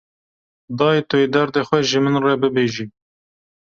Dayê, tu yê derdê xwe ji min re bibêjî